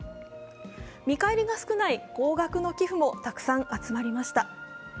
見返りが少ない高額の寄付もたくさん集まりました。